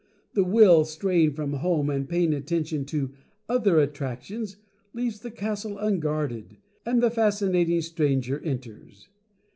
The Will, straying from home, and paying attention to other attractions leaves the Castle unguarded, and the Fascinating Stranger enters.